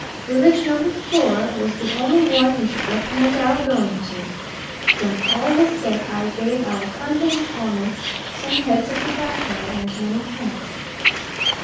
Village number four was the only one he should recommend our going to. When all was said, I gave our kindly informants some heads of tobacco and many thanks.